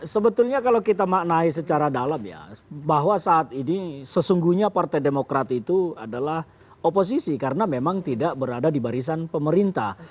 sebetulnya kalau kita maknai secara dalam ya bahwa saat ini sesungguhnya partai demokrat itu adalah oposisi karena memang tidak berada di barisan pemerintah